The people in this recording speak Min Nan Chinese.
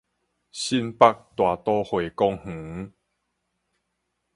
新北大都會公園